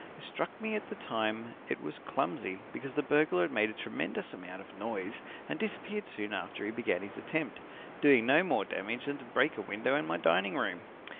It struck me at the time it was clumsy, because the burglar made a tremendous amount of noise and disappeared soon after he began his attempt, doing no more damage than to break a window in my dining room.